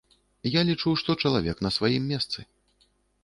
Я лічу, што чалавек на сваім месцы.